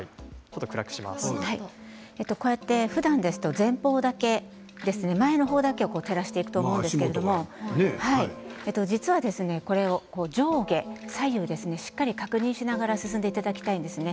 ふだん前方だけ前のほうだけ照らしていくと思うんですけど実は上下左右しっかり確認しながら進んでいただきたいんです。